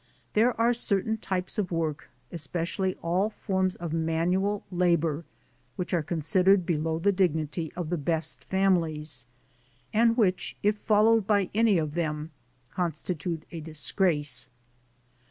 There are certain types of work, especially all forms of manual labor, which are considered below the dignity of the best families, and which, if followed by any of them, constitute a disgrace.